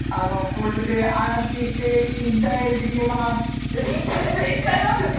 これで安心して引退できます。